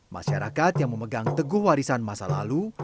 masyarakat yang memegang teguh warisan masa lalu